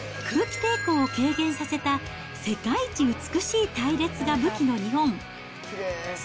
空気抵抗を軽減させた世界一美しい隊列が武器の日本。